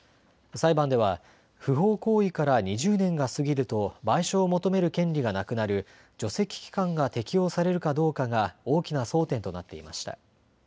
裁判では不法行為から２０年が過ぎると賠償を求める権利がなくなる除斥期間が適用されるかどうかが大きな争点となっていました。